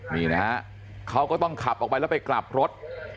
นี่นะฮะเขาก็ต้องขับออกไปแล้วไปกลับรถ